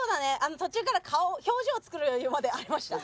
途中から顔表情作る余裕までありました。